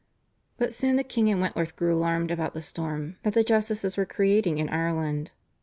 But soon the king and Wentworth grew alarmed about the storm that the justices were creating in Ireland.